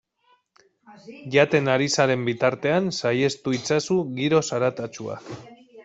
Jaten ari zaren bitartean saihestu itzazu giro zaratatsuak.